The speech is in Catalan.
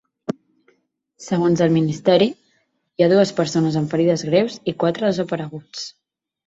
Segons el ministeri, hi ha dues persones amb ferides greus i quatre desapareguts.